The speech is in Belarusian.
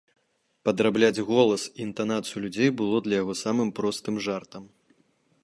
Падрабляць голас і інтанацыю людзей было для яго самым простым жартам.